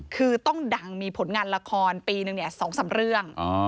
คือต้องดังมีผลงานละครปีนึง๒๓เรื่อง